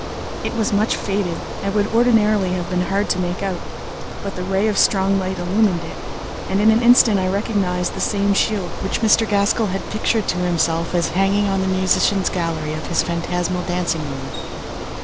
It was much faded and would ordinarily have been hard to make out; but the ray of strong light illumined it, and in an instant I recognised the same shield which Mr. Gaskell had pictured to himself as hanging on the musicians' gallery of his phantasmal dancing room.